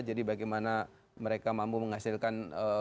jadi bagaimana mereka mampu menghasilkan